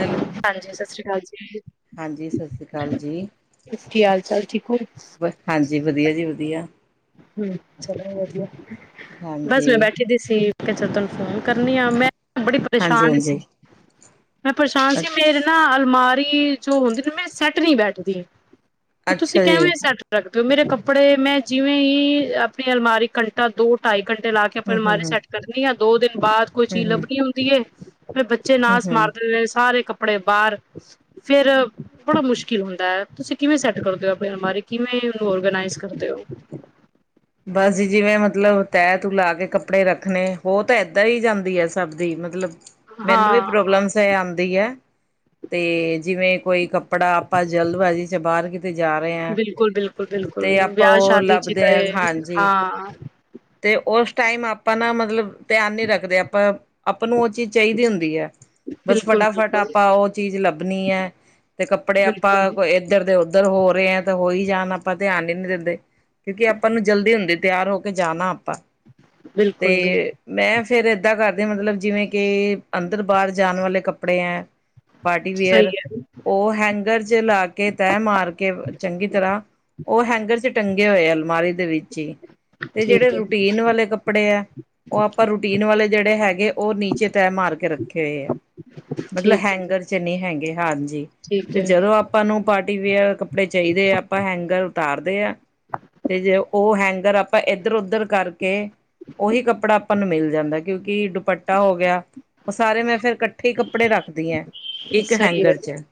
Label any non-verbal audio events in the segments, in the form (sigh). Hello ਹਾਂਜੀ ਸਤਿ ਸ੍ਰੀ ਅਕਾਲ ਜੀ ਹਾਂਜੀ ਸਤਿ ਸ਼੍ਰੀ ਅਕਾਲ ਜੀ ਤੁ ਕੀ ਹਾਲ ਚਾਲ ਠੀਕ ਹੋ ਹਾਂਜੀ ਵਧੀਆ ਜੀ ਵਧੀਆ ਹਮ, ਚਲੋ ਵਧੀਆ ਬਸ ਹਾਂਜੀ ਮੈਂ ਬੈਠੀ ਦੀ ਅ ਚ ਤੁਹਾਨੂੰ ਫੋਨ ਕਰਨੀ ਆ, ਮੈਂ ਬੜੀ ਹਾਂਜੀ ਪਰੇਸ਼ਾਨ ਸੀ ਹਾਂਜੀ ਮੈਂ ਪ੍ਰਸ਼ਾਂਨ ਸੀ। ਮੇਰੇ ਅੱਛਾ ਨਾ ਅਲਮਾਰੀ ਜੋ ਹੁੰਦੀ ਨਾ ਮੇਰੀ ਸੈੱਟ ਨੀ ਬੈਠਦੀ ਤੁਸੀਂ ਅੱਛਾ ਜੀ ਕਿਵੇਂ ਸੈੱਟ ਰੱਖਦੇ ਹੋ ਮੇਰੇ ਕੱਪੜੇ ਮੈਂ ਜਿਵੇਂ ਹੀ ਆਪਣੀ ਅਲਮਾਰੀ ਘੰਟਾ ਦੋ ਢਾਈ ਘੰਟੇ ਲਾ ਕੇ ਆਪਣੀ ਹਮ ਅਲਮਾਰੀ ਹਮ ਸੈਟ ਕੱ ਆ ਦੋ ਦਿਨ ਬਾਅਦ ਕੋਈ ਚੀਜ਼ ਹਮ ਹਮ ਲੱਭਣੀ ਹੁੰਦੀ ਹੈ ਫਿਰ ਬੱਚੇ ਹਮ ਨਾਸ ਹਮ ਮਾਰਦੇ ਸਾਰੇ ਕੱਪੜੇ ਆਪਣੇ ਬਾਹਰ ਫੇਿਰ ਬੜਾ ਮੁਸ਼ਕਿਲ ਹੁੰਦਾ ਹੈ ਤੁਸੀਂ ਕਿਵੇਂ ਸੈੱਟ ਕਰਦੇ ਹੋ ਆਪਣੇ ਮਾਰੇ ਕਿਵੇਂ ਔਰਗਨਾਈਜ਼ ਕਰਦੇ ਹੋ ਬਸ ਜ ਜਿਵੇਂ ਮਤਲਬ ਤੈਅ ਤੂ ਲਾ ਕੇ ਕੱਪੜੇ ਰੱਖਣੇ ਉਹ ਤਾਂ ਇਏਦਾਂ ਹੀ ਜਾਂਦੀ ਹੈ ਸਭ ਦੀ ਮਤਲਬ ਮੈਨੂੰ ਵੀ ਹਾਂ ਪ੍ਰੋਬਲਮ ਆਉਂਦੀ ਆ ਤੇ ਜਿਵੇਂ ਕੋਈ ਕੱਪੜਾ ਪ੍ਰੈਸ ਕੱਪੜਾ ਆਪਾਂ ਜਲਦਬਾਜ਼ੀ ਚ ਬਾਹਰ ਕਿਤੇ ਜਾ ਰਹੇ ਹਾਂ ਬਿਲਕੁਲ ਬਿਲਕੁਲ ਬਿਲਕੁਲ ਤੇ ਆਪਾਂ ਵਿਆਹ ਉਹ ਸ਼ਾਦੀ ਚ ਲੱਭਦੇ ਹ ਗਏ ਖ ਹਾਂਜੀ ਹਾਂ ਅਤੇ ਉਸ ਟਾਈਮ ਆਪਾਂ ਨਾ ਮਤਲਬ ਧਿਆਨ ਨੀ ਰੱਖਦੇ ਆਪਾਂ ਆਪਾਂ ਨੂੰ ਉਹ ਚੀਜ਼ ਚਾਹੀਦੀ ਹੁੰਦੀ ਹੈ ਬਸ ਬਿਲਕੁਲ ਫਟਾਫਟ ਬਿਲਕੁਲ ਆਪਾਂ ਉਹ ਚੀਜ਼ ਲੱਭਣੀ ਹੈ ਤੇ ਕੱਪੜੇ ਆਪਾਂ ਬਿਲਕੁਲ ਕੋ ਇੱਧਰ ਦੇ ਉੱਧਰ ਹੋ ਰਹੇ ਹੈ ਤਾਂ ਹੋਈ ਜਾਣ ਆਪਾਂ ਧਿਆਨ ਹੀ ਨੀ ਦਿੰਦੇ ਕਿਉਂਕਿ ਆਪਾਂ ਨੂੰ ਜਲਦੀ ਹੁੰਦੀ ਤਿਆਰ ਹੋ ਕੇ ਜਾਣਾ ਆਪਾਂ ਤੇ ਬਿਲਕੁਲ ਬਿਲਕੁਲ ਮੈਂ ਫੇਿਰ ਏਦਾਂ ਕਰਦੀ ਮਤਲਬ ਜਿਵੇਂ ਕਿ ਅੰਦਰ ਬਾਹਰ ਜਾਣ ਵਾਲੇ ਕੱਪੜੇ ਹੈ ਸਹੀ ਪਾਰਟੀਵਅਰ ਹੈ ਉਹ ਹੈਂਗਰ ਚ ਲਾ ਕੇ ਤੈਅ ਮਾਰ ਕੇ ਚੰਗੀ ਤਰ੍ਹਾਂ ਉਹ ਹੈਂਗਰ ਚ ਟੰਗੇ ਹੋਏ ਅਲਮਾਰੀ ਦੇ ਵਿੱਚ ਹੀ ਤੇ ਜਿਹੜੇ ਠੀਕ ਹੈ ਰੂਟੀਨ ਵਾਲੇ ਕੱਪ ਕੱਪੜੇ ਹੈ ਉਹ ਆਪਾਂ ਰੂਟੀਨ ਵਾਲੇ ਜਿਹੜੇ ਹੈਗੇ ਉਹ ਨੀਚੇ ਤੈਅ ਮਾਰ ਕੇ ਰੱਖੇ ਹੋਏ ਆ ਮਤਲਬ ਠੀਕ ਹੈ ਹੈਂਗਰ ਚ ਨਹੀਂ ਹੈਗੇ ਹਾਂਜੀ ਠੀਕ ਤੇ ਹੈ ਜਦੋਂ ਆਪਾਂ ਨੂੰ ਪਾਰਟੀ ਵਅਰ ਕੱਪੜੇ ਚਾਹੀਦੇ ਆ ਆਪਾਂ ਹੈਂਗਰ ਉਤਾਰਦੇ ਆ ਤੇ ਜੇ ਉਹ ਹੈਂਗਰ ਆਪਾਂ ਇੱਧਰ ਉੱਧਰ ਕਰਕੇ ਉਹੀ ਕੱਪੜਾ ਆਪਾਂ ਨੂੰ ਮਿਲ ਜਾਂਦਾ ਕਿਉਂਕਿ ਦੁਪੱਟਾ ਹੋ ਗਿਆ ਉਹ ਸਾਰੇ ਮੈਂ ਫਿਰ ਇਕੱਠੇ ਕੱਪੜੇ ਰੱਖਦੀ ਹਾਂ ਇੱਕ ਸਹੀ ਹੈ ਹੈਂਗਰ '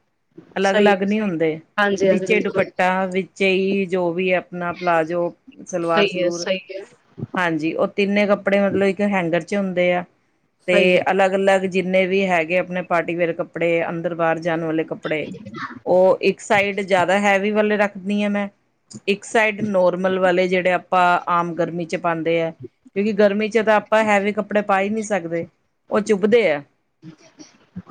ਅਲੱਗ ਸਹੀ ਅਲੱਗ ਹੈ, ਨਹੀਂ ਹੁੰਦੇ ਹਾਂਜੀ-ਹਾਂਜੀ ਵਿੱਚੇ ਬਿਲਕੁਲ ਦੁਪੱਟਾ ਚਈ ਜੋ ਵੀ ਹੈ ਆਪਣਾ ਪਲਾਜ਼ੋ ਸਲਵਾਰ ਸਹੀ ਹੈ, ਸਲੂਰ ਸਹੀ ਹੈ, ਹਾਂਜੀ ਉ ਤਿੰਨੇ ਕੱਪੜੇ ਮਤਲਬ ਇੱਕ ਹੈਂਗਰ ਚ ਹੁੰਦੇ ਆ ਤੇ ਸਹੀ ਹੈ। ਅਲੱਗ ਅਲੱਗ ਜਿੰਨੇ ਵੀ ਹੈਗੇ ਆਪਣੇ ਪਾਰਟੀਵੇਅਰ ਕੱਪੜੇ ਅੰਦਰ ਬਾਹਰ ਜਾਣ ਵਾਲੇ ਕੱਪੜੇ ਉਹ ਇੱਕ ਸਾਈਡ ਜ਼ਿਆਦਾ ਹੈਵੀ ਵਾਲੇ ਰੱਖਦੀ ਹ ਮੈਂ ਇੱਕ ਸਾਈਡ ਨੋਰਮਲ ਵਾਲੇ ਜਿਹੜੇ ਆਪਾਂ ਆਮ ਗਰਮੀ 'ਚ ਪਾਉਂਦੇ ਹੈ ਕਿਉਂਕਿ ਗਰਮੀ ' ਤਾਂ ਆਪਾਂ ਹੈਵੀ ਕੱਪੜੇ ਪਾ ਹੀ ਨਹੀਂ ਸਕਦੇ ਉਹ ਚੁੱਭਦੇ ਹੈ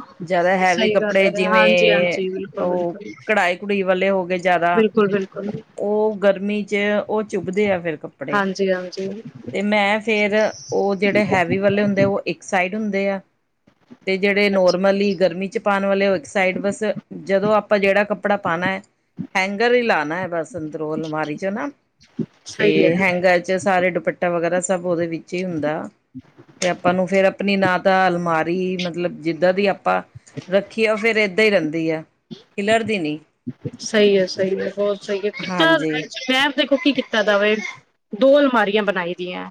ਹ ਸਹੀ ਗੱਲ ਕੱਪੜੇ ਹੈ ਹਾਂਜੀ ਜਿਵੇਂ ਹਾਂਜੀ ਬਿਲਕੁਲ ਬਿਲਕੁਲ ਉਹ ਬਿਲਕੁਲ ਕਢਾਈ ਕਢੂਈ ਵਾਲੇ ਹੋ ਗਏ ਜ਼ਿਆਦਾ ਬਿਲਕੁਲ ਬਿਲਕੁਲ ਉਹ ਗਰਮੀ ਚ ਉਹ ਚੁੱਭਦੇ ਆ ਫੇਿਰ ਕੱਪੜੇ ਹਾਂਜੀ ਹਾਂਜੀ ਤੇ ਮੈਂ ਫੇਰ ਉਹ ਜਿਹੜੇ ਹੈਵੀ ਵਾਲੇ ਹੁੰਦੇ ਆ ਉਹ ਇੱਕ ਸਾਈਡ ਹੁੰਦੇ ਆ ਤੇ ਜਿਹੜੇ ਅੱਛਾ ਨੋਰਮਲੀ, ਗਰਮੀ ਚ ਪਾਉਣ ਵਾਲੇ, ਉਹ ਇੱਕ ਸਾਈਡ, ਬਸ ਜਦੋਂ ਆਪਾਂ ਜਿਹੜਾ ਕੱਪੜਾ ਪਾਉਣਾ ਹੈ। ਹੈਂਗਰ ਹੀ ਲਾਣਾ ਹੈ। ਬਸ ਅੰਦਰੋਂ ਅਲਮਾਰੀ ਚੋ ਨਾ, ਤੇ ਸਹੀ ਹੈ, ਹੈਂਗਰ। ਦੇ ਸਾਰਾ, ਦੁਪੱਟਾ ਵਗੈਰਾ ਸਭ, ਉਹਦੇ ਵਿੱਚ ਹੀ, ਹੁੰਦਾ। ਤੇ ਆਪਾਂ ਨੂੰ ਫੇਰ ਆਪਣੀ ਨਾਲ। ਤਾਂ ਅਲਮਾਰੀ ਮਤਲਬ, ਜਿੱਦਾਂ ਦੀ ਆਪਾਂ ਰੱਖੀਏ ਔ, ਫੇਰ। ਹੀ ਰਹਿੰਦੀ ਆ। ਖਿਲੜਦੀ ਨਹੀਂ। ਸਹੀ ਹੈ, ਸਹੀ ਹੈ, ਬਹੁਤ ਸਹੀ ਹੈ, ਕਿ (unintelligible) ਹਾਂਜੀ। ਦੇਖ ਕੀ ਕੀਤਾ ਜਾਵੇ ਦੋ ਅਲਮਾਰੀਆਂ ਬਣਾਈ ਦੀਆਂ।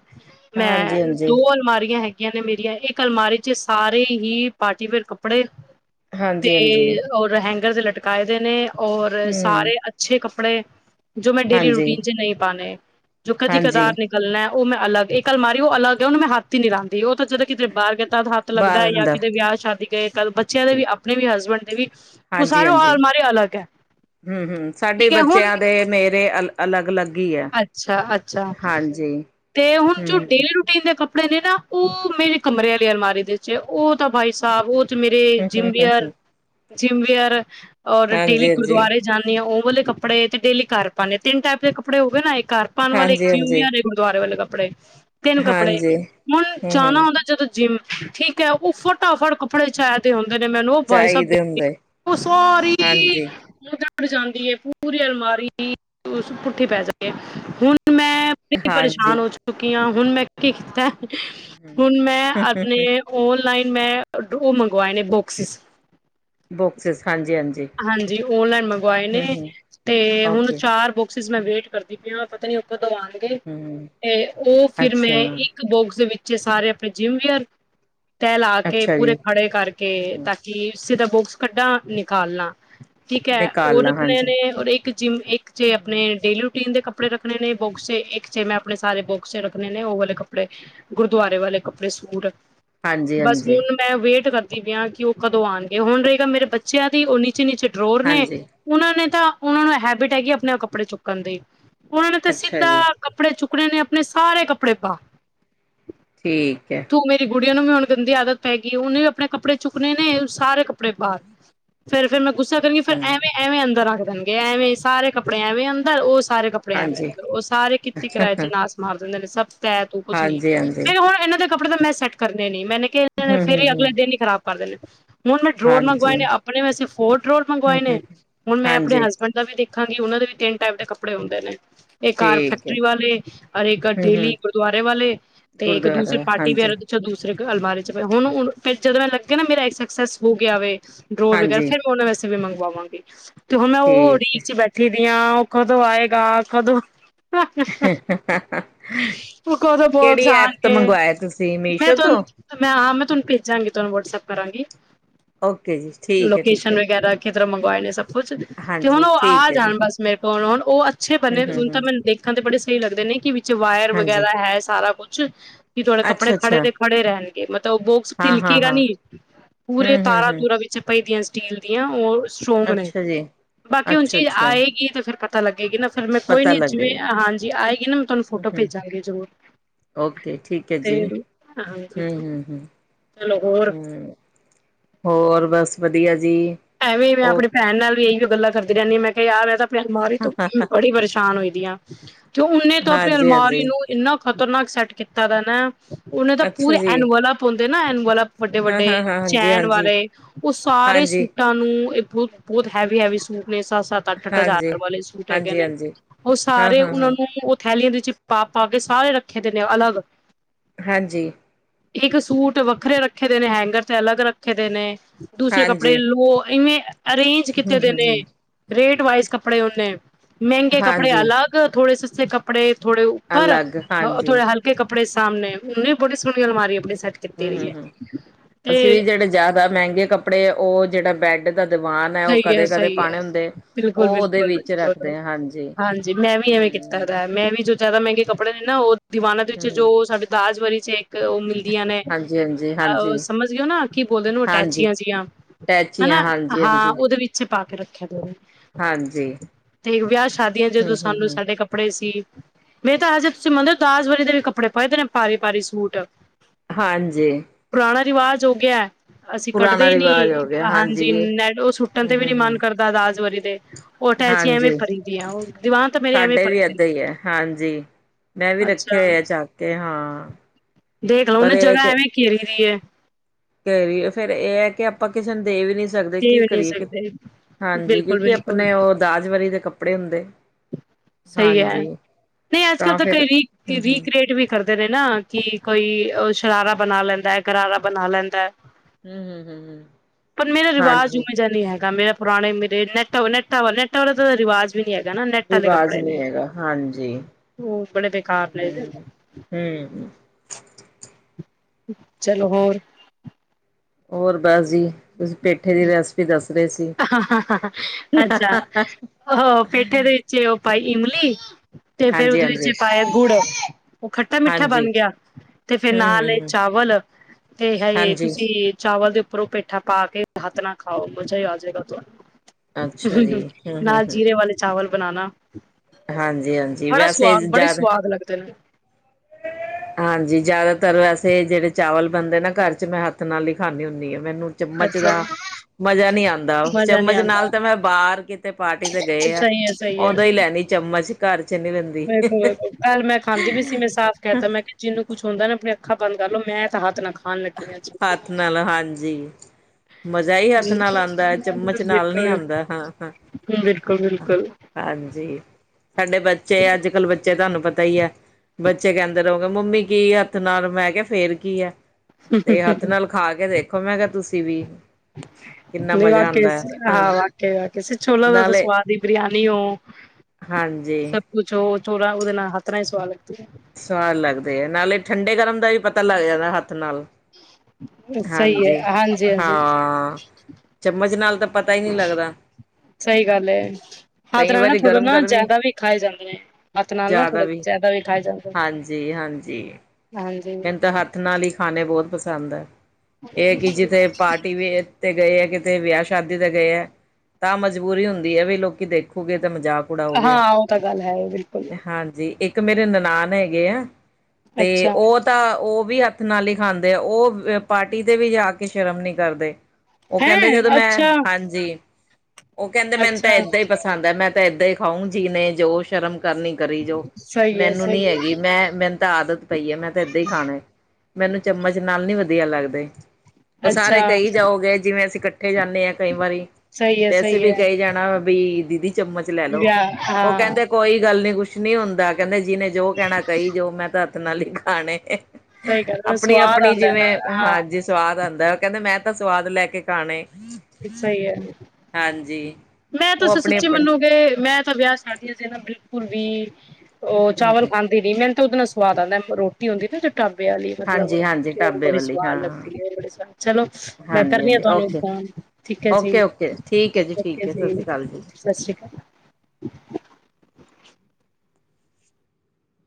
ਮੈਂ ਹਾਂਜੀ, ਤੂੰ ਹਾਂਜੀ, ਅਲਮਾਰੀਆਂ ਹੈਗ ਨੇ ਮੇਰੀਆਂ ਇਹ ਅਲਮਾਰੀ ਚ ਸਾਰੇ ਹੀ ਪਾਰਟੀ ਫੇਿਰ ਕੱਪੜੇ ਤੇ ਹਾਂਜੀ, ਹਾਂਜੀ ਔਰ ਹੈਂਗਰ ਦੇ ਲਟਕਾਏ ਦੇ ਨੇ ਔਰ ਹਮ ਸਾਰੇ ਅੱਛੇ ਕੱਪੜੇ ਜੋ ਮੈਂ ਡੇਲੀ ਹਾਂਜੀ, ਰੂਟੀਨ ਚੇ ਨਹੀਂ ਪਾਣੇ ਜੋ ਕਦੀ ਕਦਾਰ ਹਾਂਜੀ। ਨ ਗੱਲ ਹੈ ਉਹ ਮੈਂ ਅਲੱਗ ਇਹ ਗੱਲ ਮਾਰੀ ਉਹ ਅਲੱਗ ਨ ਮੈਂ ਹੱਥ ਨ ਲਾਂਦੀ ਉਹ ਤਾਂ ਜਦੋਂ ਕਿਤੇ ਬਾਹਰ ਗਿਆ ਕੀਤਾ ਹ ਲੱਗਦਾ ਹੈ ਬਾਹਰ ਜਾਂ ਅੰਦਰ ਕਿਤੇ ਵਿਆਹ ਸ਼ਾਦੀ ਕਰਏ ਕ ਬੱਚਿਆਂ ਦੇ ਵੀ ਆਪਣੇ ਵੀ ਹਸਬੈਂਡ ਦੇ ਵੀ ਉਹ ਹਾਂਜੀ ਸਾਰੇ ਉਹ ਹਾਂਜੀ ਅਲਮਾਰੀ ਅਲੱਗ ਹੈ ਹਮ ਹਮ ਸਾਡੇ ਠੀਕ ਹੈ ਹੁਣ ਬੱਚਿਆਂ ਦੇ ਮੇਰੇ ਅਲ ਅਲੱਗ ਅਲੱਗ ਹੀ ਆ ਅੱਛਾ ਅੱਛਾ ਹਾਂਜੀ ਤੇ ਹੁਣ ਜੋ ਹੂੰ ਡੇਲੀ ਦੇ ਕੱਪੜੇ ਨੇ ਨਾ ਉਹ ਮੇਰੇ ਕਮਰੇ ਵਾਲੇ ਅਲਮਾਰੀ ਦੇ ਉਹ ਤਾਂ ਭਾਈ ਸਾਹਿਬ ਉਹ, ਮੇਰੇ ਜਿੰਮ ਬਅਰ ਹੂੰ ਜਿਮ ਵੀਅਰ ਔਰ ਡੇਲੀ ਹਾਂਜੀ ਹਾਂਜੀ ਜਾਂਦੀ ਹਾਂ, ਉਹ ਵਾਲੇ ਕੱਪੜੇ, ਤੇ ਡੇਲੀ ਘਰ ਪਾਉਂਦੇ, ਤਿੰਨ ਟਾਈਪ ਦੇ ਕੱਪੜੇ ਹੋ ਗਏ, ਨਾ। ਘਰ ਪਾਉਣ ਵਾਲੇ, ਇੱਕ ਹਾਂਜੀ ਜਿਉ। ਹਾਂਜੀ ਗੁਰਦੁਆਰੇ ਵਾਲੇ ਕੱਪੜੇ, ਤਿੰਨ ਕੱਪੜੇ। ਹਾਂਜੀ ਹੁਣ ਹੂੰ ਜਾਣਾ ਹੂੰ ਹੁੰਦਾ ਜਦੋਂ ਜਿੰਮ। ਠੀਕ। ਤੇ ਉਹਫਰ ਤਾਫਰ ਕ- ਕਪੜੇ ਚਾ ਤੇ, ਹੁੰਦੇ ਨੇ ਮੈਨੂੰ, ਉਹ ਭਾਈ ਸਹਿਬ, ਚਾਹੀਦੇ ਹੁੰਦੇ ਸਾਰੀ। ਹਾਂਜੀ ੜ ਜਾਂਦੀ ਹੈ। ਪੂਰੀ ਅਲਮਾਰੀ ਹੀ, ਪੁੱਠੀ ਪੈ ਜਾਂਦੀ ਹੈ। ਹੁਣ ਮੈਂ। ਕਿਤੀ ਹਾਂਜੀ ਪਚਰੇਸ਼ਾਨ, ਹੋ ਚੁੱਕੀ ਹਾਂ। ਹੁਣ ਮੈਂ ਕੀ ਕੀਤਾ, ਹੁਣ ਮੈਂ ਆਪਣੇ। ਔਨਲਾਈਨ ਮੈਂ, ਉਹ ਮੰਗਵਾਏ ਨੇ, ਬੋਕਸਿਸ। ਬੋਕਸਿਸ, ਹਾਂਜੀ- ਹਾਂਜੀ। ਹਾਂਜੀ, ਓਨਲਾਈਨ ਮੰਗਵਾਏ ਨੇ, ਹੂੰ ਹੂੰ ਤੇ ਹੁਣ ਓਕੇ ਚਾਰ, ਬੁਕਸਿਸ ਮੈਂ ਵੇਟ ਕਰਦੀ ਪਣੀ। ਪਤਾ ਨੀ। ਕਦੋਂ ਆਉਣਗੇ। ਹੂੰ ਤੇ ਉਹ, ਫੇਰ ਅੱਛਾ ਮੈਂ ਇੱਕ। ਬੋਕਸ ਦੇ ਵਿੱਚ। ਸਾਰੇ ਆਪਣੇ ਜਿਮ ਵੀਅਰ, ਤੈ ਲਾ ਆ ਕੇ, ਅੱਛਾ ਜੀ ਪੂਰੇ ਖੜੇ ਕਰਕੇ। ਹੂੰ ਹੂੰ ਤ- ਜੇਸ ਦਾ ਬੁਕਸ ਕੱਢਾਂ, ਨਿਕਾਲਣਾ, ਠੀਕ ਹੈ, ਉਹ ਨਿਕਾਲਣਾ ਰੱਖਣੇ ਹਾਂਜੀ ਨੇ, ਔਰ ਇੱਕ। ਜਿਮ, ਇੱਕ ਚ ਆਪਣੇ ਹੂੰ ਡੇਲੀ ਰੂਟੀਨ, ਦੇ ਕੱਪੜੇ ਰੱਖਣੇ ਨੇ, ਬੁਕਸ ਚ। ਇਕ ਚੇ, ਮੈਂ ਆਪਣੇ ਸਾਰੇ, ਬੁ- ਕਸ ਚ ਰੱਖਣੇ ਨੇ ਉਹ ਵਾਲੇ ਕੱਪੜੇ, ਗੁਰਦੁਆਰੇ ਵਾਲੇ ਕੱਪੜੇ ਸੂਟ। ਹਾਂਜੀ ਬਸ ਹਾਂਜੀ ਹੁਣ ਮੈਂ, ਵੇਟ ਕਰਦੀ ਪਿਆ। ਕਿ, ਉਹ ਕਦੋਂ ਆਉਣਗੇ। ਹੁਣ ਰਹੇਗਾ ਮੇਰੇ ਬੱਚਿਆਂ, ਦੀ ਉਵੀ। ਚੀ, ਨੀਚੇ ਡਰੋਰ ਨੇ, ਹਾਂਜੀ ਉਹਨਾਂ ਨੇ ਤਾਂ। ਉਹਨਾਂ ਨੂੰ ਹੈਬਿਟ, ਹੈਗੀ ਆਪਣੇ ਆਪ, ਕੱਪੜੇ ਚੁੱਕਣ ਦੀ। ਉਹਨਾਂ ਨੇ ਤਾਂ ਅੱਛਾ ਸਿੱਧਾ, ਜੀ ਕੱਪੜੇ ਚੁੱਕਣੇ ਨੇ ਆਪਣੇ। ਸਾਰੇ ਕੱਪੜੇ ਬਾਰ। ਠੀਕ ਹੈ। ਤੂੰ ਮੇਰੀ ਗੁੜੀਆਂ ਨੂੰ ਵੀ, ਹੁਣ ਗੰਦੀ ਆਦਤ ਪੈ ਗਈ। ਉਹਨੇ ਵੀ ਆਪਣੇ, ਕੱਪੜੇ ਚੁੱਕਣੇ ਨੇ, ਸਾਰੇ ਕੱਪੜੇ ਬਾਹਰ। ਫੇ ਫੇਰ, ਮੈਂ ਗੁੱਸਾ ਕਰਗੀ। ਫੇਰ ਅੱਛਾ ਐਵੇਂ, ਐਵੇਂ, ਅੰਦਰ ਰੱਖ ਦੇਣਗੇ। ਐਵੇਂ ਸਾਰੇ ਕੱਪੜੇ, ਐਵੇਂ ਅੰਦਰ, ਉਹ ਸਾਰੇ ਕੱਪੜੇ। ਮ ਹਾਂਜੀ ਉਹ ਸਾਰੇ, ਕਿੱਤੇ ਕਿਰਾਏ ਚ, ਹਾਂਜੀ ਨਾਸ ਮਾਰ ਦਿੰਦੇ ਨੇ। ਸਭ ਤੈ, ਤੂੰ ਕੁਛ ਨੀ, ਹਾਂਜੀ ਨਹੀਂ ਫ ਹੁਣ ਇਹਨਾਂ ਦੇ। ਕੱਪੜੇ ਤਾਂ ਮੈਂ, ਸੈਟ ਕਰਨੇ ਨੀ। ਮੈਨ ਕਿਆ, ਹੂੰ ਹੂੰ ਫੇਰ ਹੀ ਹੂੰ ਅਗਲੇ ਦਿਨ ਹੀ, ਖਰਾਬ ਕਰਦੇ ਨੇ। ਹੁਣ ਮੈਂ ਡਰੋਰ ਮੰਗਵਾਏ ਹਾਂਜੀ ਨੇ, ਆਪ। ਆਪਣੇ ਵਾਸਤੇ, ਫੋਰ ਡਰੋਰ ਹੂੰ ਮੰਗਵਾਏ ਹੂੰ ਨੇ, ਹੁਣ ਮੈਂ ਆਪਣੇ ਹਾਂਜੀ ਹਸ- ਬਂਡ ਦਾ ਵੀ ਦੇਖਾਂਗੀ। ਉਹਨਾਂ ਦੇ ਵੀ, ਤਿੰਨ ਟਾਈਪ ਦੇ, ਕੱਪੜੇ ਹੁੰਦੇ ਨੇ। ਇਹ ਕਾਰ ਠੀਕ ਹੈ ਫੈਕਟਰੀ ਵਾਲੇ, ਇੱਕ ਹੂੰ ਹੂੰ ਡੇਲੀ, ਗੁਰਦੁਆਰੇ ਵਾਲੇ, ਤੇ ਇੱਕ ਗੁਰਦੁਆਰਾ ਦੂਸਰੇ ਪਾਰਟੀ ਹਾਂਜੀ ਵੇਅਰ। ਦੂਸਰੇ ਅਲਮਾਰੇ ਚ, ਹੁਣ ਜਦੋਂ, ਮੈਂ ਲੱਗਿਆ ਨਾ ਮੇਰਾ ਸੈਕਸਸ ਹੋ ਗਿਆ ਵੇ। ਡਰੋਰ ਵਗੈਰਾ, ਹਾਂਜੀ ਫੇਰ ਮੈਂ, ਉਹਨੇ ਵਾਸਤੇ ਵੀ ਮੰਗਵਾਵਾਂਗੀ। ਤੇ ਹੁਣ ਮੈਂ ਉਹ ਠੀਕ ਹੈ ਉਡੀਕ ਚ ਬੈਠੀ। ਦੀਆਂ। ਉਹ ਕਦੋਂ ਆਏਗਾ, ਕਦੋਂ। ਹੇ, ਹੇ, ਹ, ਹੇ। ਉਹ ਕਦੋਂ ਬੁਕਸ ਆੰਣਗੇ। ਤੁਸੀਂ ਮੈਂ ਮੀਸ਼ੋ ਤੁਹਾਨੂੰ। ਤੋਂ ਤੇ ਮੈਂ, ਹਾਂ, ਮੈਂ ਤੁਹਾਨੂੰ ਭੇਜਾਂਗੀ। ਤੁਹਾਨੂੰ ਵਟਸਐਪ ਕਰਾਂਗੀ। ਓਕੇ ਜੀ ਠੀਕ ਹੈ ਠੀਕ ਲੋਕੇਸ਼ਨ ਹੈ ਵਗੈਰਾ। ਕਿਧਰੋ ਮੰਗਵਾਏ ਨੇ, ਸਭ ਕੁਛ, ਤੇ ਹਾਂਜੀ ਹੁਣ ਉਹ ਆ ਠੀਕ ਹੈ ਜੀ ਜਾਣ ਬਸ। ਮੇਰੇ ਕੋਲ ਆਉਣ। ਉਹ ਅੱਛੇ ਹੂੰ ਬੰਨੇ, ਹੂੰ ਹੁਣ ਹੂੰ ਤਾਂ ਮੈਨੂੰ ਦੇਖਣ ਤੇ, ਬੜੇ ਸਹੀ ਲੱਗਦੇ ਨੇ। ਵਿਚ ਵਾਇਰ ਹਾਂਜੀ ਵਗੈਰਾ ਹੈ। ਸਾਰਾ ਕੁਛ, ਵੀ ਤੁਹਾਡੇ ਕੱਪੜੇ ਅੱਛਾ ਖੜੇ ਅੱਛਾ ਤੇ ਖੜੇ ਰਹਿਣਗੇ। ਮਤਲਬ ਉਹ ਬਹੁ। ਹਾਂ ਤਿਲਕੀ ਹਾਂ ਦਾ ਹਾਂ ਨੀ। ਪੂਰੇ ਹੂੰ ਹੂੰ ਤਾਰਾਂ- ਹੂੰ ਤੂਰਾਂ, ਵਿੱਚ ਪਈਦੀਆਂ, ਨੇ ਸਟੀਲ ਦੀਆਂ। ਉਹ। ਸਟਰੋਂਗ ਨੇ। ਅੱਛਾ ਜੀ ਬਾਕੀ ਹੁਣ ਅੱਛਾ ਚੀਜ਼, ਅੱਛਾ ਆਏਗੀ ਤੇ ਫੇਰ ਪਤਾ। ਪਤਾ ਲੱਗੇਗੀ ਨਾ। ਫੇਰ ਮੈਂ, ਕੋਈ ਪਤਾ ਨੀ, ਜਿਵੇਂ। ਲੱਗੇਗਾ ਹਾਂਜੀ, ਆਏਗੀ ਨਾ, ਮੈਂ ਤੁਹਾਨੂੰ ਹੂੰ ਫੋਟੋ ਹੂੰ ਭੇਜਾਂਗੀ। ਜ਼ਰੂਰ। ਓਕੇ ਠੀਕ ਐ ਜੀ ਤੇ ਹਾਂਜੀ ਹੂੰ ਹੂੰ ਹੂੰ, ਚਲੋ, ਹੋਰ? ਹੂੰ ਹੋਰ, ਬਸ ਵਧੀਆ ਜੀ। ਐਵੇਂ ਮੈਂ, ਆਪਣੀ ਉਹ ਭੈਣ ਨਾਲ ਵੀ, ਇਹੀ ਗੱਲਾਂ ਕਰਦੀ ਰਹਿੰਦੀ ਹਾਂ। ਮੈਂ ਕਿਹਾ, ਆਹ ਮੈਂ ਤਾਂ। ਆਪਣੀ ਅਲਮਾਰੀ, ਤੋਂ ਬੜੀ ਪਰੇਸ਼ਾਨ, ਹੋਈ ਦੀ ਆ। ਤੇ ਉਹਨੇ ਤਾਂ, ਆਪਣੀ ਹਾਂਜੀ ਹਾਂਜੀ ਅਲਮਾਰੀ ਨੂੰ, ਇੰਨਾ। ਖ਼ਤਰਨਾਕ ਸੈੱਟ, ਕੀਤਾ ਦਾ, ਨਾ। ਉਹਨੇ ਤਾਂ ਅੱਛਾ ਪੂਰੇ ਜੀ ਐਨਵਲਪ ਹੋਂਣ ਦੇ ਨਾ ਐਨਵਲਪ। ਵੱਡੇ- ਹਾਂ ਵੱਡੇ, ਹਾਂ ਹਾਂ ਹਾਂਜੀ ਚੈਨ ਹਾਂਜੀ ਵਾਲੇ, ਉਹ ਸਾਰੇ। ਹਾਂਜੀ ੂਟਾਂ ਨੂੰ ਇਹ ਬਹੁਤ- ਬਹੁਤ, ਹੈਵੀ- ਹੈਵੀ, ਸੂਟ ਨੇ ਸੱਤ, ਸੱਤ। ਅੱਠ-ਅੱਠ ਹਾਂਜੀ ਹਜ਼ਾਰ ਵਾਲੇ ਸੂਟ ਹੈਗੇ ਨੇ ਹਾਂਜੀ ਹਾਂਜੀ ਉਹ ਹਾਂ ਸਾਰੇ ਹਾਂ ਹਾਂ ਉਹਨਾਂ ਨੂੰ ਥੈਲੀਆਂ ਦੇ ਵਿੱਚ ਪਾ ਪਾ ਕੇ ਸਾਰੇ ਰੱਖੇ ਦੇ ਨੇ ਅਲੱਗ ਹਾਂਜੀ, ਇੱਕ ਸੂਟ ਵੱਖਰੇ ਰੱਖੇ ਦੇ ਨੇ ਹੈਂਗਰ ਤੇ ਅਲੱਗ ਰੱਖੇ ਦੇ ਨੇ ਦੂਸਰੇ ਕੱਪੜੇ ਹਾਂਜੀ ਉਹ ਇਵੇਂ ਅਰੇਂਜ ਕੀਤੇ ਹਮ ਦੇ ਹਮ ਨੇ ਹਮ ਰੇਟ ਵਾਇੰਜ ਕੱਪੜੇ ਓਨੇ ਮਹਿੰਗੇ ਕੱਪੜੇ ਹਾਂਜੀ ਅਲੱਗ ਥੋੜੇ ਸਸਤੇ ਕੱਪੜੇ ਥੋੜੇ ਉੱਪਰ ਅਲੱਗ ਹਾਂਜੀ ਥੋੜੇ ਹਲਕੇ ਕੱਪੜੇ ਸਾਹਮਣੇ ਉਹਨੇ ਬੜ ਸੋਹਣੀ ਅਲਮਾਰੀ ਆਪਣੀ ਸੈਟ। ਹੂੰ ਹੂੰ ਹੂੰ, ਅਸੀਂ ਵੀ ਜਿਹੜੇ ਜ਼ਿਆਦਾ ਮਹਿੰਗੇ ਕੱਪੜੇ ਉਹ ਜਿਹੜਾ ਬੈਡ ਦਾ ਦੀਵਾਨ ਐ ਉਹ ਕਦੇ ਕਦੇ ਪਾਣੇ ਹੁੰਦੇ। ਉਹ ਉਹਦੇ ਬਿਲਕੁਲ-ਬਿਲਕੁਲ, ਵਿੱਚ ਬਿਲਕੁਲ ਰੱਖਦੇ ਆ ਹਾਂਜੀ ਹਾਂਜੀ ਮੈਂ ਵੀ ਇਵੇਂ ਕੀਤਾ ਹਮ ਦਾ ਮੈਂ ਵੀ ਜੋ ਜ਼ਿਆਦਾ ਮਹਿੰਗੇ ਕੱਪੜੇ ਨੇ ਨਾ ਉਹ ਦੀਵਾਨਾਂ ਦੇ ਵਿੱਚ ਜੋ ਹਮ ਸਾਡੇ ਦਾਜ ਵਰੀ ਚ ਇੱਕ ਉਹ ਮਿਲਦੀਆਂ ਨੇ ਹਾਂਜੀ ਹਾਂਜੀ ਹਾਂਜੀ ਸਮਝ ਗਓ ਨਾ ਕੀ ਬੋਲਦੇ ਓਨੂੰ ਹਾਂਜੀ ਅਟੈਚੀਆਂ ਜੀ। ਹਨਾ, ਟੈਚੀਆਂ ਹਾਂਜੀ ਹਾਂ ਹਾਂਜੀ ਉਹਦੇ ਵਿੱਚੇ ਪਾ ਕੇ ਰੱਖਿਆ ਜਾ ਹਾਂਜੀ ਤੇ ਵਿਆਹ ਸ਼ਾਦੀਆਂ ਹਮ ਜਦੋਂ ਹਮ ਸਾਨੂੰ ਹਮ ਸਾਡੇ ਕੱ ਕੱਪੜੇ ਸੀ। ਮੇਰਾ ਤਾਂ ਹਜੇ ਤੁਸੀਂ ਮੰਨ ਦਿਓ, ਦਾਜ ਵਰੀ ਦੇ ਵੀ ਕੱਪੜੇ ਪਾਏ ਦੇ ਨੇ ਭਾਰੀ ਭਾਰੀ ਸੂਟ। ਹਾਂਜੀ, ਪੁਰਾਣਾ ਰਿਵਾਜ ਹੋ ਗਿਆ ਅਸੀਂ ਕੱਢਦੇ ਪੁਰਾਣਾ ਹੀ ਨੀ ਰਿਵਾਜ ਹੋ ਗਿਆ ਹਾਂਜੀ ਨੈਟ ਉਹ ਸੁੱਟਣ ਹੂੰ ਤੇ ਵੀ ਹੂੰ ਨੀ ਮਨ ਹੂੰ ਕਰਦਾ ਦਾਜ ਵਰੀ ਦੇ। ਉਹ ਅਟੈਚੀਆਂ ਐਵੇਂ ਹਾਂਜੀ ਭਰੀ ਦੀ ਐ ਓ ਦੀਵਾਨ ਤਾਂ ਮੇਰੇ ਐਵੇਂ ਸਾਡੇ ਵੀ ਭਰੇ ਨੇ। ਏਦਾਂ ਹੀ ਹੈ ਹਾਂਜੀ ਮੈਂ ਵੀ ਰੱਖੇ ਹੋਏ ਆ ਚੱਕ ਕੇ ਹਾਂ। ਦੇਖ ਲਓ ਪਰ ਓਨੇ ਜਗ੍ਹਾ ਐਵੇਂ ਘੇਰੀ ਦੀ ਐ। ਏ ਫ਼ੇਰ ਇਹ ਐ ਕਿ ਆਪਾਂ ਕਿਸੇ ਨੂੰ ਦੇ ਵੀ ਨੀ ਸਕਦੇ ਦੇ ਕੀ ਵੀ ਨਹੀਂ ਕਰੀਏ ਸਕਦੇ ਹਾਂਜੀ ਬਿਲਕੁਲ ਕਿਉਂਕਿ ਬਿਲਕੁਲ ਆਪਣੇ ਉਹ ਦਾਜ ਵਰੀ ਦੇ ਕੱਪੜੇ ਹੁੰਦੇ। ਸਈ ਐ, ਹਾਂਜੀ ਨਹੀਂ ਅੱਜ ਕੱਲ ਤਾਂ ਫਿਰ ਕਈ ਰਿ ਹੂੰ ਹੂੰ ਰਿਕ੍ਰੇਟ ਵੀ ਕਰਦੇ ਨੇ ਨਾ ਕਿ ਕੋਈ ਸ਼ਰਾਰਾ ਬਣਾ ਲੈਂਦਾ ਗ਼ਰਾਰਾ ਬਣਾ ਲੈਂਦਾ। ਹੂੰ ਹੂੰ ਹੂੰ ਹੂੰ ਪਰ ਮੇਰਾ ਰਿਵਾਜ ਹਾਂਜੀ ਉਵੇਂ ਜਾ ਨੀ ਹੈਗਾ ਮੇਰਾ। ਪੁਰਾਣੇ ਮੇਰੇ ਨੈਟ ਨੈਟ ਨੈਟਾਂ ਵਾਲੇ ਤਾਂ ਰਿਵਾਜ਼ ਵੀ ਨੀ ਹੈ। ਰਿਵਾਜ਼ ਨੀ ਹੈਗਾ ਹਾਂਜੀ ਉਹ ਬੜੇ ਬੇਕਾਰ ਨੇ, ਹੂੰ, ਚਲੋ ਹੋਰ ਹੋਰ ਬਸ ਜੀ ਤੁਸੀਂ ਪੇਠੇ ਦੀ ਰੈਸਪੀ ਦੱਸ ਰਹੇ ਸੀ। ਹਾਂ, ਅੱਛਾ ਉਹ ਪੇਠੇ ਦੇ ਚ ਓ ਪਾਈ ਇਮਲੀ ਤੇ ਫੇਰ ਹਾਂਜੀ, ਉਹਦੇ ਵਿੱਚ ਹਾਂਜੀ, ਪਾਇਆ ਗੁੜ ਉਹ ਖੱਟਾ ਮਿੱਠਾ ਹਾਂਜੀ, ਬਣ ਗਿਆ ਤੇ ਫਿਰ ਹੂੰ, ਨਾਲ ਹੂੰ, ਇਹ ਹੂੰ, ਚਾਵਲ। ਤੇ ਹੈ ਹਾਂਜੀ। ਤੁਸੀਂ ਚਾਵਲ ਦੇ ਉਪਰੋਂ ਪੇਠਾ ਪਾ ਕੇ ਹੱਥ ਨਾਲ ਖਾਓ ਮਜ਼ਾ ਹੀ ਆ ਜੇਗਾ ਅੱਛਾ ਜੀ, ਤੁਹਾਨੂੰ। ਹੂੰ, ਹੂੰ, ਨਾਲ ਹੂੰ, ਜੀਰੇ ਵਾਲੇ ਚਾਵਲ ਬਣਾਨਾ। ਹਾਂਜੀ, ਹਾਂਜੀ ਬੜਾ ਵੈਸੇ ਸੁਵਾਦ ਬੜੇ ਜ਼ਿਆਦਾ ਸੁਵਾਦ ਲੱਗਦੇ ਨੇ ਹਾਂਜੀ ਜ਼ਿਆਦਾਤਰ ਵੈਸੇ ਜਿਹੜੇ ਚਾਵਲ ਬਣਦੇ ਨਾ ਘਰ ਚ ਮੈਂ ਹੱਥ ਨਾਲ ਹੀ ਖਾਂਦੀ ਹੁੰਦੀ ਹਾਂ ਮੈਨੂੰ ਚਮਚ ਅੱਛਾ ਦਾ ਮਜ਼ਾ ਨਹੀਂੀ ਆਉਂਦਾ ਉਹ ਮਜ਼ਾ ਨੀ ਚਮਚ ਆਂਦਾ ਨਾਲ ਤਾਂ ਮੈਂ ਬਾਹਰ ਕਿਤੇ ਪਾਰਟੀ ਤੇ ਗਏ ਆ ਸਹੀ ਐ, ਸਹੀ ਏ ਉਦਾ ਹੀ ਲੈਣੀ ਚਮਚ ਘਰ ਚ ਨੀ ਰਿੰਹਦੀ ਮਰੇ ਘਰ ਮੈਂ ਖਾਂਦੀ ਵੀ ਸੀ ਮੈਂ ਸਾਫ਼ ਕਹਿਤਾ ਮੈਂ ਕਿਹਾ ਜਿਹਨੂੰ ਕੁਛ ਹੁੰਦਾ ਨਾ ਆਪਣੇ ਅੱਖਾ ਬੰਦ ਕਰ ਲੋ ਮੈਂ ਤਾਂ ਹੱਥ ਨਾ, ਖਾਣ ਲੱਗੀ ਆ ਜੀ। ਹੱਥ ਨਾਲ ਹਾਂਜੀ। ਮਜ਼ਾ ਹੀ ਹੱਥ ਨਾਲ ਆਂਦਾ ਚਮਚ ਨਾਲ ਨੀ ਬਿਲਕੁਲ, ਆਂਦਾ। ਬਿਲਕੁਲ-ਬਿਲਕੁਲ ਹਾਂਜੀ, ਸਾਡੇ ਬੱਚੇ ਅੱਜ ਕੱਲ ਬੱਚੇ ਤੁਹਾਨੂੰ ਪਤਾ ਹੀ ਆ ਬੱਚੇ ਕਹਿੰਦੇ ਨੇ ਓ, ਮੰਮੀ ਕੀ ਹੱਥ ਨਾਲ ਮੈਂ ਕਿਹਾ ਫੇਰ ਕੀ ਐ। ਤੇ ਹੱਥ ਨਾਲ ਖਾ ਕੇ ਦੇਖੋ ਮੈਂ ਕਿਹਾ ਤੁਸੀਂ ਵੀ। ਕਿੰਨਾ ਨਹੀਂ ਮਜ਼ਾ ਵਾਕਿਆ ਆਉਂਦਾ ਹੈ ਹਾਂ, ਵਾਕਿਆ ਵਾਕਿਆ ਛੋਲਾ ਦਾ ਤਾਂ ਨਾਲੇ ਸਵਾਦ ਦੀ ਬਰਿਆਨੀ ਓ। ਹਾਂਜੀ, ਕੁਛ ਉਹ ਛੋਲਾ ਉਹਦੇ ਨਾਲ ਹੱਥ ਨਾਲ ਹੀ ਸਵਾਦ ਲੱਗਦੀ ਐ। ਸਵਾਦ ਲੱਗਦੇ ਆ ਨਾਲੇ ਠੰਡੇ ਗਰਮ ਦਾ ਵੀ ਪਤਾ ਲੱਗ ਜਾਂਦਾ ਹੱਥ ਨਾਲ ਹੈ। ਸਹੀ ਹੈ ਹਾਂਜੀ ਹਾਂਜੀ-ਹਾਂਜੀ ਹਾਂ, ਚਮਚ ਨਾਲ ਤਾਂ ਪਤਾ ਈ ਨੀ ਲੱਗਦਾ। ਸਹੀ ਗੱਲ ਹੈ ਹੱਥ ਕਈ ਨਾਲ ਨਾ ਵਾਰੀ ਥੋੜਾ ਗਰਮ ਨਾ ਗਰਮੀ ਜ਼ਿਆਦਾ ਵੀ ਖਾਏ ਜਾਂਦੇ ਨੇ ਹੱਥ ਨਾਲ ਨਾ ਥੋੜਾ ਜ਼ਿਆਦਾ ਵੀ ਖਾਏ ਜਾਂਦੇ ਹਾਂਜੀ ਹਾਂਜੀ ਹਾਂਜੀ ਮੈਨੂੰ ਤਾਂ ਹੱਥ ਨਾਲ ਹੀ ਖਾਣੇ ਬਹੁਤ ਪਸੰਦ ਹੈ ਇਹ ਕਿ ਜਿੱਥੇ ਪਾਰਟੀ ਵੀ ਤੇ ਗਏ ਹੈ ਕਿਤੇ ਵਿਆਹ ਸ਼ਾਦੀ ਤੇ ਗਏ ਹੈ ਤਾਂ ਮਜਬੂਰੀ ਹੁੰਦੀ ਹੈ ਵੀ ਲੋਕੀ ਦੇਖੂਗੇ ਤਾਂ ਮਜ਼ਾਕ ਥੋੜਾ ਹੋ ਗਿਆ ਹਾਂ ਉਹ ਤਾਂ ਗੱਲ ਹੈ ਬਿਲਕੁਲ ਹਾਂਜੀ ਇੱਕ ਇੱਕ ਮੇਰੇ ਨਨਾਾਨ ਹੈਗੇ ਆ ਤੇ ਅੱਛਾ ਉਹ ਤਾਂ ਉਹ ਵੀ ਹੱਥ ਨਾਲ ਹੀ ਖਾਂਦੇ ਆ ਉਹ ਪਾਰਟੀ ਤੇ ਵੀ ਜਾ ਕੇ ਸ਼ਰਮ ਨੀ ਕਰਦੇ ਉਹ ਹੈਂ ਕਹਿੰਦੇ ਜਦੋਂ ਮੈਂ ਅੱਛਾ ਹਾਂਜੀ ਉਹ ਕਹਿੰਦੇ ਮੈਨੂੰ ਤਾਂ ਅੱਛਾ ਏਦਾਂ ਹੀ ਪਸੰਦ ਪਸੰਦ ਹੈ ਮੈਂ ਤਾਂ ਇਹਦਾਂ ਹੀ ਖਾਊ ਜੀ ਨੇ ਜੋ ਸ਼ਰਮ ਕਰਨੀ ਕਰੀ ਜੋ ਸਹੀ ਹੈ ਮੈਨੂੰ ਸਹੀ ਨੀ ਹੈ ਹੈਗੀ ਮੈਂ ਮੈਨੂੰ ਤਾਂ ਆਦਤ ਪਈ ਹੈ ਮੈਂ ਤਾਂ ਇਹਦਾਂ ਹੀ ਖਾਣਾ ਮੈਨੂੰ ਚਮਚ ਨਾਲ ਨੀ ਵਧੀਆ ਲੱਗਦੇ ਉਹ ਅੱਛਾ ਸਾਰੇ ਕਈ ਜਾਓਗੇ ਜਿਵੇਂ ਅਸੀਂ ਇਕੱਠੇ ਜਾਂਦੇ ਹਾਂ ਕਈ ਵਾਰੀ ਸਹੀ ਹੈ ਤੇ ਅਸੀਂ ਸਹੀ ਵੀ ਹੈ ਕਹੀ ਜਾਣਾ ਵੀ ਦੀਦੀ ਚਮਚ ਲੈ ਲਓ ਵਿਆਹ ਉਹ ਹਾਂ ਕਹਿੰਦੇ ਕੋਈ ਗੱਲ ਨੀ ਕੁਛ ਨੀ ਹੁੰਦਾ ਕਹਿੰਦੇ ਜਿਹਨੇ ਜੋ ਕਹਿਣਾ ਕਹੀ ਜੋ ਮੈਂ ਤਾਂ ਹੱਥ ਨਾਲ ਹੀ ਖਾਣੇ ਸਹੀ ਗੱਲ ਆਪਣੀ ਸਵਾਦ ਆਪਣੀ ਆਉਂਦਾ ਨਾ ਜਿਵੇਂ ਹਾਂ ਜਿਸ ਸਵਾਦ ਆਉਂਦਾ ਉਹ ਕਹਿੰਦੇ ਮੈਂ ਤਾਂ ਸਵਾਦ ਲੈ ਕੇ ਖਾਣੇ ਸਹੀ ਹੈ ਹਾਂਜੀ ਮੈਂ ਉਹ ਤੁਸੀਂ ਆਪਣੇ ਸੱਚੀ ਆਪਣੇ ਮੰਨੋਗੇ ਮੈਂ ਵਿਆਹ ਸਾਦੀਆਂ ਸੀ ਨਾ ਬਿਲਕੁਲ ਵੀ ਉਹ ਹਮ ਚਾਵਲ ਹਮ ਪਾਂਦੇ ਦੀਦੀ ਮੈਨੂੰ ਉਹਦੇ ਨਾਲ ਸਵਾਦ ਆਉਂਦਾ ਰੋਟੀ ਹੁੰਦੀ ਨਾ ਢਾਬੇ ਵਾਲੀ ਮਤਲਬ ਹਾਂਜੀ ਹਾਂਜੀ ਓਹ ਢਾਬੇ ਬੜੀ ਵਾਲੀ ਹਾਂ ਸਵਾਦ ਲਗਦੀ ਬੜੀ ਸਵਾਦ ਚਲੋ ਮੈਂ ਹਾਂਜੀ ਕਰਨੀ ਆ ਹਾਂਜੀ ਤੁਹਾਨੂੰ ਓਕੇ ਫੋਨ ਠੀਕ ਹੈ ਜੀ ਓਕੇ ਓਕੇ ਠੀਕ ਹੈ ਜੀ ਠੀਕ ਹੈ ਸਤਿ ਸ਼੍ਰੀ ਅਕਾਲ ਜੀ ਸਤਿ ਸ਼੍ਰੀ ਅਕਾਲ